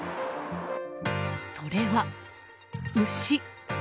それは、牛。